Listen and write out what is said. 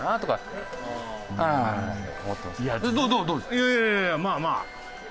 いやいやいやまあまあ。